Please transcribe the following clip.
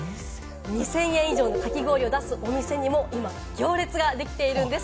２０００円以上のかき氷を出すお店にも今、行列ができているんです。